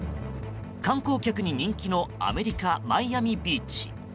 観光客に人気のアメリカマイアミビーチ。